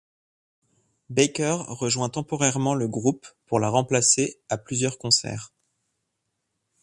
Baker rejoint temporairmeent le groupe pour la remplacer à plusieurs concerts.